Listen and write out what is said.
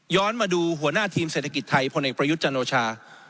มาดูหัวหน้าทีมเศรษฐกิจไทยพลเอกประยุทธ์จันโอชา